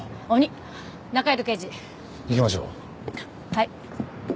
はい。